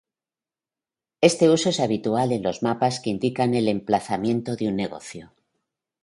Este uso es habitual en los mapas que indican el emplazamiento de un negocio.